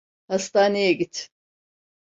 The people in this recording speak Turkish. Hastaneye git.